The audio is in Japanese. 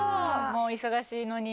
もう、忙しいのに。